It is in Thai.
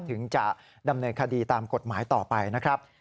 ถึงจะดำเนินคดีตามกฎหมายต่อไปนะครับ